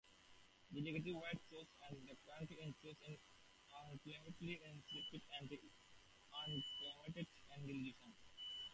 Delegates were chosen at a county caucus that ultimately selected an uncommitted delegation.